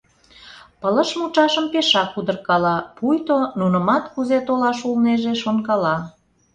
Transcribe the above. Пылыш мучашым пешак удыркала, пуйто, нунымат кузе толаш улнеже, шонкала.